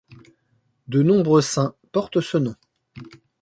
De nombreux saints portent ce nom.